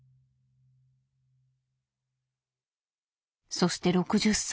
そして６０歳。